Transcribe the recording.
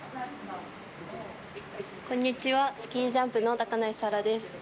こんにちは、スキージャンプの高梨沙羅です。